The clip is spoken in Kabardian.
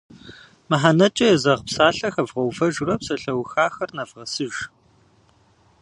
Мыхьэнэкӏэ езэгъ псалъэ хэвгъэувэжурэ псалъэухахэр нэвгъэсыж.